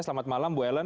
selamat malam ibu ellen